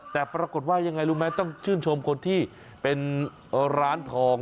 แต่ปรากฏว่ายังไงรู้ไหมต้องชื่นชมคนที่เป็นร้านทอง